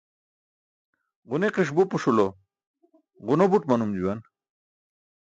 Ġuniki̇ṣ bupuṣulo ġuno buṭ manum juwan.